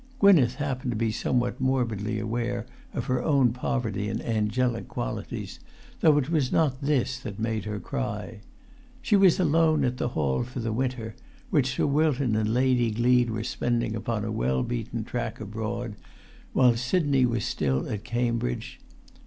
Gwynneth happened to be somewhat morbidly aware of her own poverty in angelic qualities, though it was not this that made her cry. She was alone at the hall for the winter, which Sir Wilton and Lady Gleed were spending upon a well beaten track abroad, while Sidney was still at Cambridge.